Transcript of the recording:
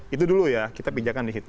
itu dulu ya kita pijakan di situ